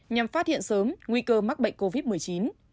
nhằm phát hiện sớm nguy cơ mắc bệnh covid một mươi chín